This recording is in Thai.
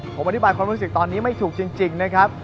ผมอธิบายความรู้สึกตอนนี้ไม่ถูกจริงนะครับ